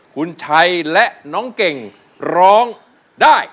คุณชัยและน้องเก่งร้องได้